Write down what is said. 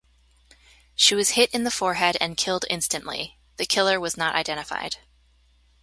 She was hit in the forehead and killed instantly; the killer was not identified.